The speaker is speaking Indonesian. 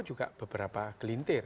juga beberapa gelintir